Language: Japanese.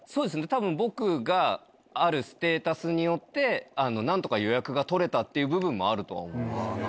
多分僕があるステータスによって何とか予約が取れたっていう部分もあるとは思うんです。